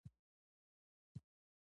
محوري سکلېټ د ستنې یا یو تیر په ډول دی.